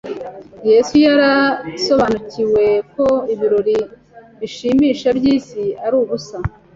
Yesu yari asobanukiwe ko ibirori bishimisha by’isi ari ubusa,